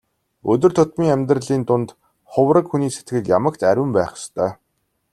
Өдөр тутмын амьдралын дунд хувраг хүний сэтгэл ямагт ариун байх ёстой.